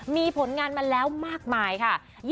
มีผลงานมาแล้วมากมายค่ะ